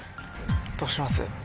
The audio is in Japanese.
どうします？